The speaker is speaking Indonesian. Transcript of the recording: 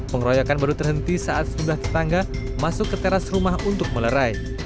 pengeroyokan baru terhenti saat sejumlah tetangga masuk ke teras rumah untuk melerai